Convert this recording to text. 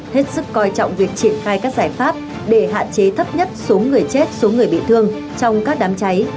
hết sức coi trọng việc triển khai các giải pháp để hạn chế thấp nhất số người chết số người bị thương trong các đám cháy